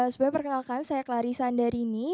sebelumnya perkenalkan saya clarissa andarini